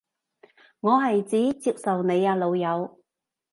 我係指接受你啊老友